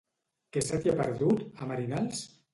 Què se t'hi ha perdut, a Merinals?